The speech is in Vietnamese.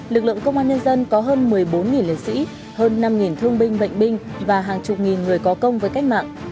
lực lượng công an nhân dân có hơn một mươi bốn liệt sĩ hơn năm thương binh bệnh binh và hàng chục nghìn người có công với cách mạng